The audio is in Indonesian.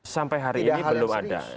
sampai hari ini belum ada